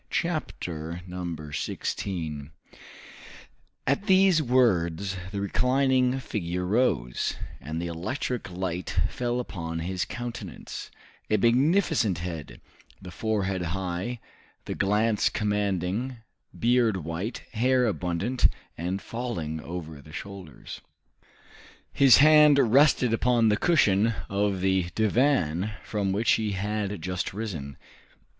Chapter 16 At these words the reclining figure rose, and the electric light fell upon his countenance; a magnificent head, the forehead high, the glance commanding, beard white, hair abundant and falling over the shoulders. His hand rested upon the cushion of the divan from which he had just risen.